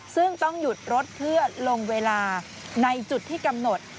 ซึ่งต้องหยุดรถเพื่อลงเวลาในจุดที่กำหนด